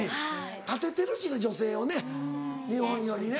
立ててるしね女性をね日本よりね。